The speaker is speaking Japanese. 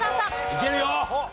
いけるよ！